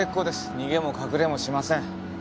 逃げも隠れもしません。